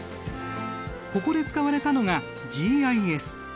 ここで使われたのがＧＩＳ。